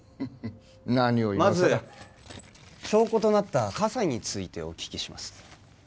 何を今さらまず証拠となった傘についてお聞きします